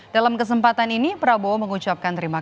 dalam kesempatan ini prabowo mengucapkan terima kasih